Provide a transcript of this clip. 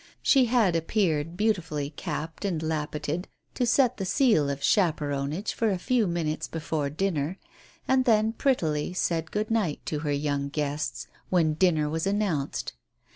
She appeared beautifully capped and lappeted, to set the seal of chaperonage for a few minutes before dinner, and then prettily said good night to her young guests when dinner was announced.